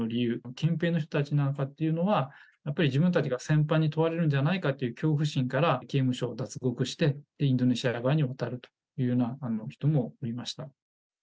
憲兵の人たちなんかっていうのは、やっぱり自分たちが戦犯に問われるんじゃないかっていう恐怖心から、刑務所を脱獄して、インドネシア側に渡るというような人もいました。